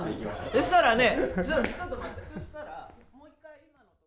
そしたらね。